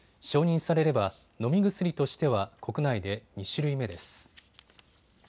承認されれば飲み薬としては国内で２種類目です。